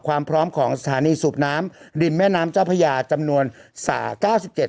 ความพร้อมของสถานีสูบน้ำริมแม่น้ำเจ้าพญาจำนวนสระเก้าสิบเจ็ด